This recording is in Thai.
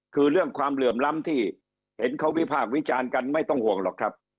คือเรื่องความเหลื่อมล้ำที่เห็นเขาวิพากษ์วิจารณ์กันไม่ต้องห่วงหรอกครับ